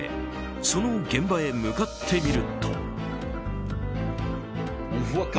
その現場へ向かってみると。